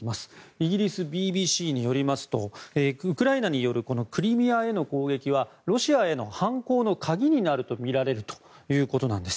イギリスＢＢＣによりますとウクライナによるこのクリミアへの攻撃はロシアへの反攻の鍵になるとみられるということなんです。